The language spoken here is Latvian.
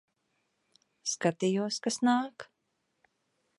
Skatījos, kas nāk.